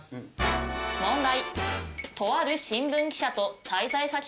問題。